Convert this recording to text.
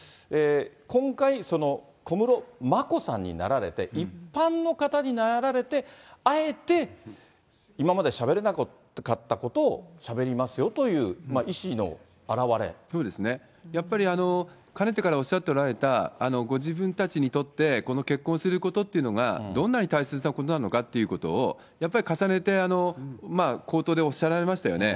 今回、小室眞子さんになられて、一般の方になられて、あえて今までしゃべれなかったことをしゃべりますよという意思のそうですね、やっぱりかねてからおっしゃっておられた、ご自分たちにとってこの結婚することっていうのが、どんなに大切なことなのかっていうことをやっぱり重ねて、口頭でおっしゃられましたよね。